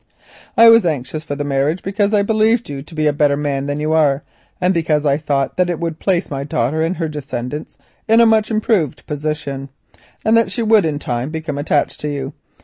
I was anxious for the marriage because I believed you to be a better man than you are, also because I thought that it would place my daughter and her descendants in a much improved position, and that she would in time become attached to you.